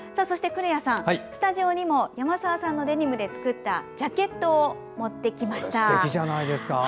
古谷さん、スタジオにも山澤さんのデニムで作ったジャケットを持ってきました。